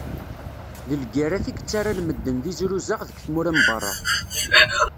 D lgirrat i yettarran medden d izruzaɣ deg tmura n berra.